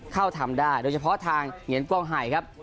ทำได้โดยเฉพาะทางเหงียนกล้องไห่ครับ